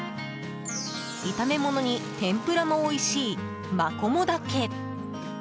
炒め物に天ぷらもおいしいマコモダケ。